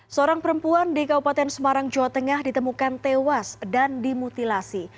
seorang perempuan di kabupaten semarang jawa tengah ditemukan tewas dan dimutilasi